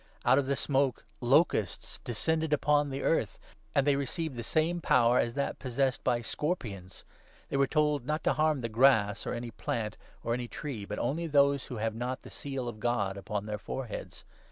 Out of the smoke locusts descended upon the earth, and 3 they received the same power as that possessed by scorpions. They were told not to harm the grass, or any plant, or any 4 tree, but only those who have not ' the seal of God upon their foreheads.'